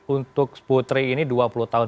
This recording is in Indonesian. untuk putri ini dua puluh tahun